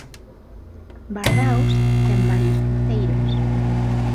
Bardaos ten varios cruceiros.